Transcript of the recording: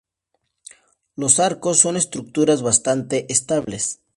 Los arcos son estructuras bastante estables.